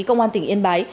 công an tỉnh yên bái